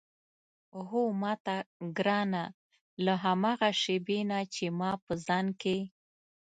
هو ماته ګرانه له هماغه شېبې نه چې ما په ځان کې.